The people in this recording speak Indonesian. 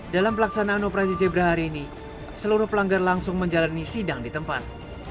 dalam pelaksanaan operasi zebra hari ini seluruh pelanggar langsung menjalani sidang di tempat